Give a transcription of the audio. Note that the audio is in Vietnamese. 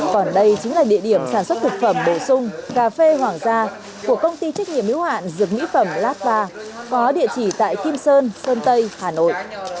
còn đây chính là địa điểm sản xuất thực phẩm bổ sung cà phê hoàng gia của công ty trách nhiệm hữu hạn dược mỹ phẩm lafta có địa chỉ tại kim sơn sơn sơn tây hà nội